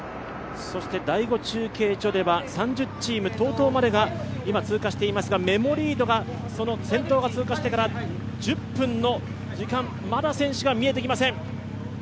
第５中継所では、３０チームＴＯＴＯまでが通過していますがメモリードが先頭が通過してから１０分の時間、まだ選手が見えてきません。